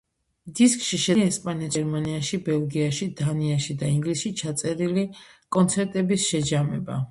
დისკში შეტანილია ესპანეთში, გერმანიაში, ბელგიაში, დანიაში და ინგლისში ჩაწერილი კონცერტების შეჯამება.